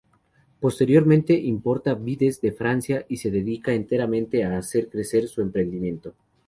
Posteriormente, importa vides de Francia y se dedica enteramente a hacer crecer su emprendimiento.